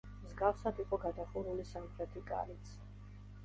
მსგავსად იყო გადახურული სამხრეთი კარიც.